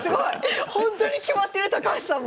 ほんとに決まってる高橋さんも！